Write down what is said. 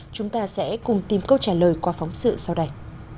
chúng ta sẽ cùng tìm câu trả lời qua phóng sự sau đây